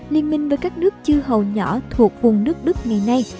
liên minh với các nước chư hầu nhỏ thuộc vùng nước đức ngày nay